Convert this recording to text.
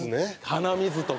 鼻水とか。